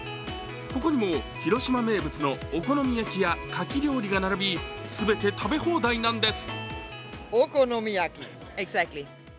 ここにも広島名物のお好み焼きやかき料理が並び全て食べ放題なんです。